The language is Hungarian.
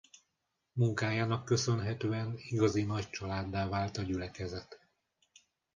Munkájának köszönhetően igazi nagy családdá vált a gyülekezet.